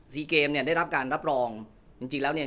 เกมเนี่ยได้รับการรับรองจริงจริงแล้วเนี่ย